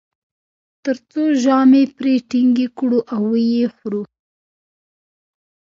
تر څو ژامې پرې ټینګې کړو او و یې خورو.